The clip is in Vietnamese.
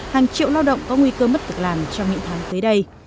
hàng triệu lao động có nguy cơ mất việc làm trong những tháng tới đây